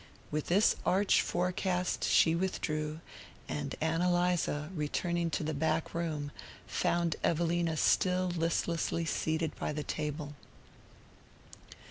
With this arch forecast she withdrew, and Ann Eliza, returning to the back room, found Evelina still listlessly seated by the table.